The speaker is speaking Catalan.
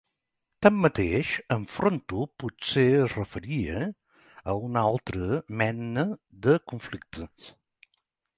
Tanmateix, en Fronto potser es referia a una altra mena de conflicte.